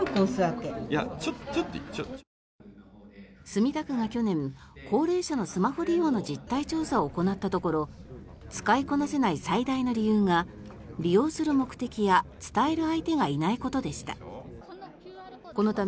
墨田区が去年高齢者のスマホ利用の実態調査を行ったところ使いこなせない最大の理由が利用する目的や伝える相手がいないことでした。